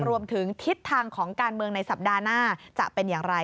รวมถึงทิศทางของการเมืองในสัปดาห์หน้าจะเป็นอย่างไร